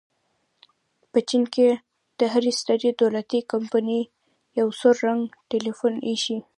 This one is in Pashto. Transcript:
په چین کې د هرې سترې دولتي کمپنۍ یو سور رنګه ټیلیفون ایښی.